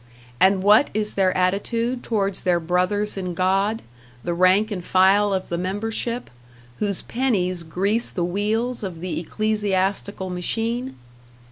And what is their attitude towards their brothers in God, the rank and file of the membership, whose pennies grease the wheels of the ecclesiastical machine?